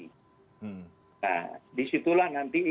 nah disitulah nanti